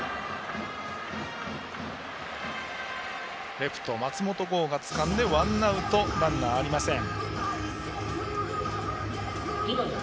レフトの松本剛がつかんでワンアウト、ランナーありません。